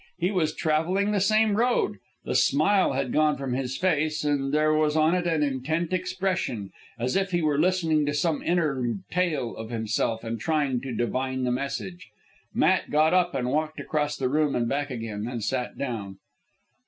He was travelling the same road. The smile had gone from his face, and there was on it an intent expression, as if he were listening to some inner tale of himself and trying to divine the message. Matt got up and walked across the room and back again, then sat down.